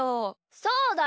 そうだよ